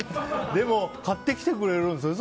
でも買ってきてくれるんですね。